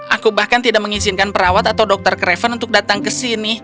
aku bahkan tidak mengizinkan perawat atau dokter craven untuk datang ke sini